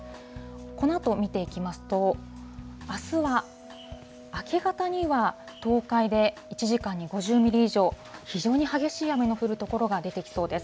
このあと見ていきますと、あすは明け方には東海で１時間に５０ミリ以上、非常に激しい雨の降る所が出てきそうです。